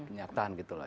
kenyataan gitu lah